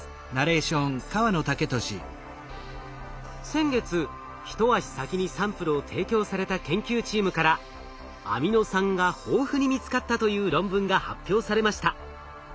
先月一足先にサンプルを提供された研究チームからアミノ酸が豊富に見つかったという論文が発表されました。